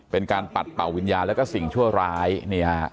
เป็นการปัดเป่าวิญญาณแล้วก็สิ่งชั่วร้ายนี่ฮะ